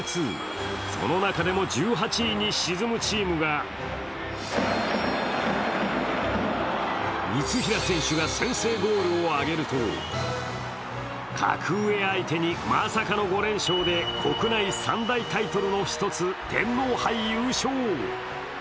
その中でも１８位に沈むチームが三平選手が先制ゴールを挙げると、格上相手にまさかの５連勝で国内３大タイトルの１つ、天皇杯優勝。